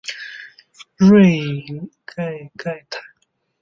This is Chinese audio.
瑞伊盖泰。